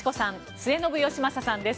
末延吉正さんです。